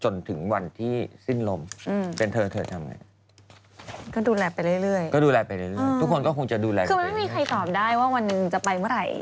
คือมันไม่มีใครตอบได้ว่าวันหนึ่งจะไปเมื่อไหร่